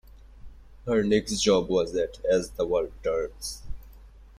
Her next job was at As the World Turns.